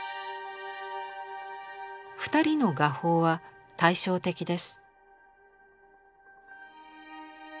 二人の画法は対照的です。